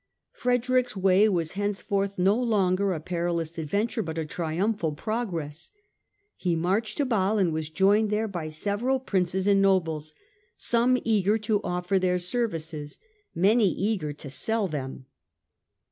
Frederick's way was henceforth no longer a perilous ad venture but a triumphal progress. He marched to Basle and was joined there by several princes and nobles, some eager to offer their services, many eager to sell them.